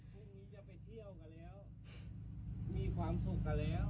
พรุ่งนี้จะไปเที่ยวกันแล้วมีความสุขกันแล้ว